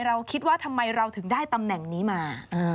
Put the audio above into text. เราคิดว่าทำไมเราถึงได้ตำแหน่งนี้มา